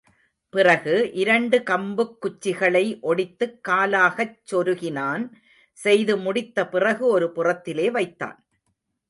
பிறகு, இரண்டு கம்புக் குச்சிகளை ஒடித்துக் காலாகச் சொருகினான், செய்து முடித்த பிறகு ஒரு புறத்திலே வைத்தான்.